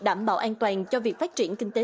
đảm bảo an toàn cho việc phát triển kinh tế